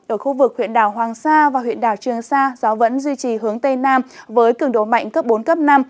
ở khu vực huyện đảo hoàng sa và huyện đảo trường sa gió vẫn duy trì hướng tây nam với cường độ mạnh cấp bốn cấp năm